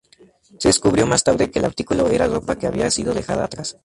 Se descubrió más tarde que el artículo era ropa que había sido dejada atrás.